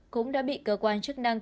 cũng đã bị cơ quan chức năng